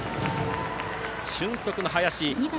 俊足の林。